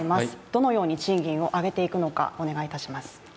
どのように賃金を上げていくのかお願いします。